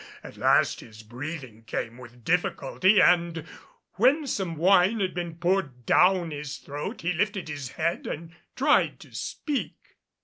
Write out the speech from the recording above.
At last his breathing came with difficulty and when some wine had been poured down his throat he lifted his head and tried to speak.